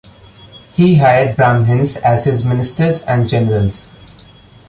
He hired Brahmins as his ministers and generals.